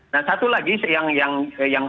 nah satu lagi yang